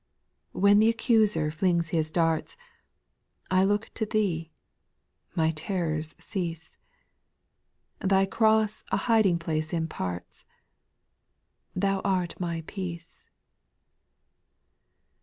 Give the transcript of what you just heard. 6, When the accuser flings his darts, 1 look to Thee, — my terrors cease ; Thy cross a hiding place imparts ;— Thou art my peace.